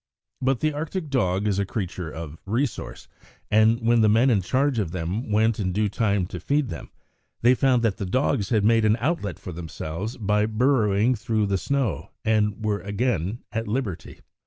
But the Arctic dog is a creature of resource, and when the men in charge of them went in due time to feed them, they found that the dogs had made an outlet for themselves by burrowing through the snow, and were again at liberty.